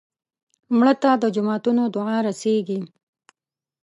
مړه ته د جوماتونو دعا رسېږي